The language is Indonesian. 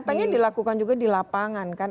katanya dilakukan juga di lapangan kan